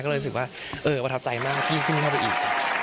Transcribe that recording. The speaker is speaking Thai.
ก็เลยรู้สึกว่าเออประทับใจมากยิ่งขึ้นเข้าไปอีก